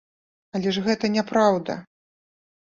Але ж гэта няпраўда!